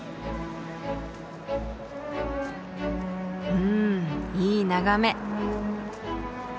うんいい眺め。